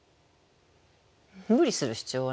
無理する必要はないよ。